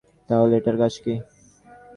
তাহলে, এটার কাজ কী?